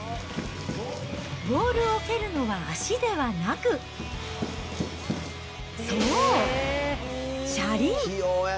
ボールを蹴るのは足ではなく、そう、車輪。